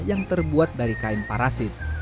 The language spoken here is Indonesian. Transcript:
yang terbuat dari kain parasit